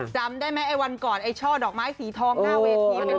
จำได้ไหมไอ้วันก่อนไอ้ช่อดอกไม้สีทองหน้าเวที